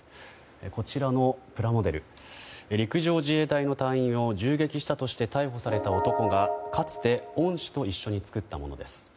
こちらのプラモデル陸上自衛隊の隊員を銃撃したとして逮捕された男がかつて恩師と一緒に作ったものです。